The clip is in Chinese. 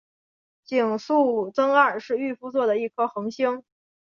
井宿增二是御夫座的一颗恒星。